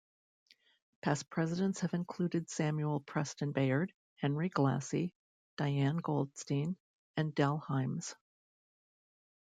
Past presidents have included Samuel Preston Bayard, Henry Glassie, Diane Goldstein, and Dell Hymes.